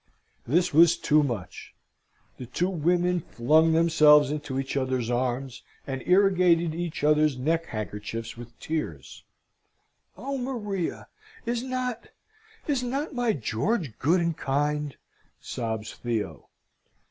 This was too much. The two women flung themselves into each other's arms, and irrigated each other's neck handkerchiefs with tears. "Oh, Maria! Is not is not my George good and kind?" sobs Theo.